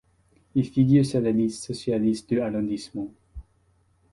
Il figure sur la liste socialiste du arrondissement.